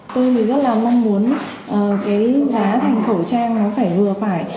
tôi thì rất là mong muốn cái giá thành khẩu trang nó phải vừa phải